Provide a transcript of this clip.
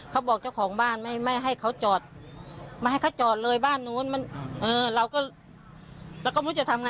เขาบอกเจ้าของบ้านไม่ให้เขาจอดไม่ให้์เขาจอดเลยบ้านโน้น